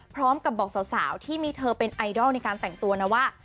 พร้อมกับบอกสาวที่มีเธอเป็นไอดอลในการแต่งตัวนะว่า